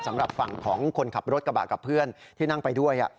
สำหรับฝั่งของคนขับรถกระบะกับเพื่อนที่นั่งไปด้วย